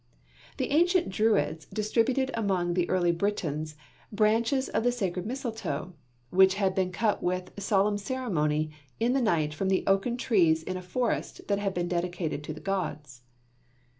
The ancient Druids distributed among the early Britons branches of the sacred mistletoe, which had been cut with solemn ceremony in the night from the oak trees in a forest that had been dedicated to the gods.